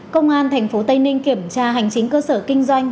công an thành phố tây ninh kiểm tra hành chính cơ sở kinh doanh